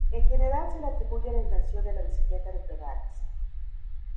En general se le atribuye la invención de la bicicleta de pedales.